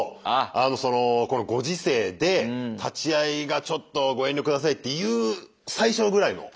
あのそのこのご時世で立ち会いがちょっとご遠慮下さいっていう最初ぐらいの。